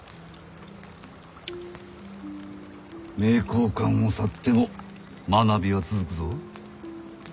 名教館を去っても学びは続くぞ。